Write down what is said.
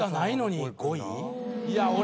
いや俺。